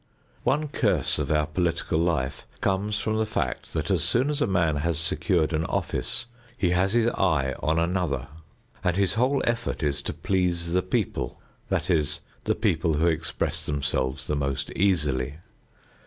One curse of our political life comes from the fact that as soon as a man has secured an office, he has his eye on another and his whole effort is to please the people, that is, the people who express themselves the most easily.